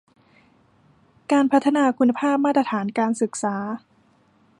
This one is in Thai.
การพัฒนาคุณภาพมาตรฐานการศึกษา